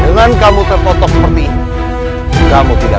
selamat menikmati kematian